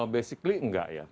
basically enggak ya